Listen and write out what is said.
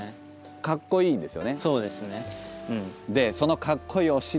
かっこいいんですよ！